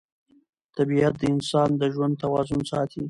طبیعت د انسان د ژوند توازن ساتي